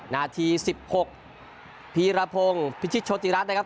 นาที๑๖พีรพงศ์พิชิตโชติรัฐนะครับ